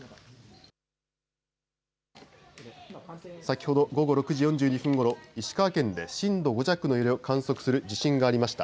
先ほど午後６時４２分ごろ、石川県で震度５弱の揺れを観測する地震がありました。